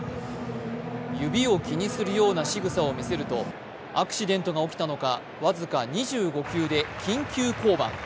指を気にするようなしぐさを見せるとアクシデントが起きたのか僅か２５球で緊急降板。